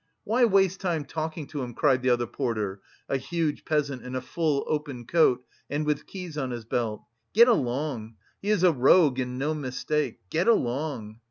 "Why waste time talking to him?" cried the other porter, a huge peasant in a full open coat and with keys on his belt. "Get along! He is a rogue and no mistake. Get along!"